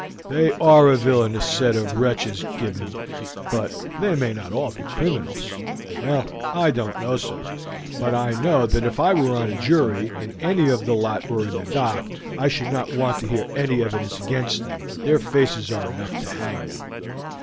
"They are a villainous set of wretches, Gibbons, but they may not be all criminals." "Well; I don't know, sir; but I know that if I were on a jury, and any of the lot were in the dock, I should not want to hear any evidence against them; their faces are enough to hang them."